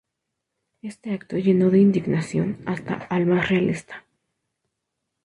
Este acto llenó de indignación hasta al más realista.